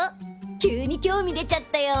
急に興味出ちゃったよ！